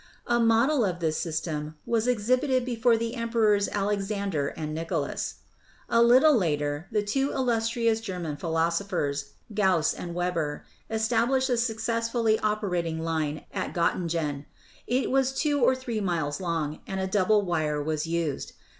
A model of this system was exhibited before the emperors Alexander and Nicholas. A little later the two illustrious German philosophers, Gauss and Weber, established a successfully operating line at Gottingen. It was two or three miles long, and a double wire was used.